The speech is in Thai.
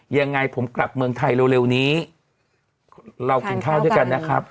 ยังไงผมกลับเมืองไทยเร็วนี้เรากินข้าวด้วยกันนะครับ